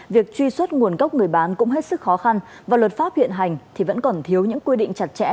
việc truy xuất nguồn gốc người bán cũng hết sức khó khăn và luật pháp hiện hành thì vẫn còn thiếu những quy định chặt chẽ